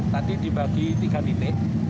tadi dibagi tiga titik